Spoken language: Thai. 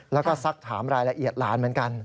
แล้วก็สักถามรายละเอียดหลานเหมือนกัน